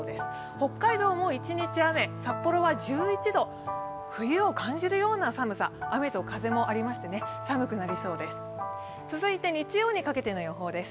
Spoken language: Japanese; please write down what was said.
北海道も一日雨、札幌は１１度、冬を感じるような寒さ、雨と風もありまして、寒くなりそうです。